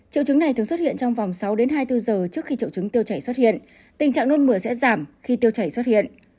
triệu chứng này thường xuất hiện trong vòng sáu hai mươi bốn giờ trước khi triệu chứng tiêu chảy xuất hiện tình trạng nôn mửa sẽ giảm khi tiêu chảy xuất hiện